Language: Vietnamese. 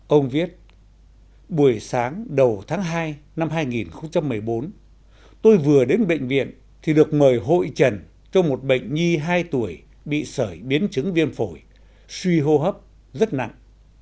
ông viết buổi sáng đầu tháng hai năm hai nghìn một mươi bốn tôi vừa đến bệnh viện thì được mời hội trần cho một bệnh nhi hai tuổi bị sởi biến chứng viêm phổi suy hô hấp rất nặng